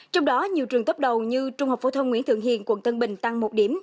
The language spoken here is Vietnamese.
trong đó nhiều trường tốt đầu như trung học phổ thông nguyễn thượng hiền quận tân bình tăng một điểm